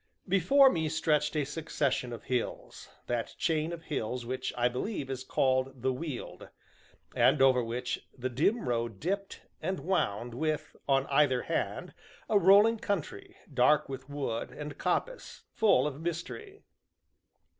Before me stretched a succession of hills that chain of hills which, I believe, is called the Weald, and over which the dim road dipped, and wound, with, on either hand, a rolling country, dark with wood, and coppice full of mystery.